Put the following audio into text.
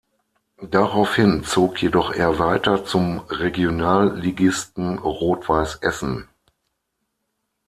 Daraufhin zog jedoch er weiter zum Regionalligisten Rot-Weiss Essen.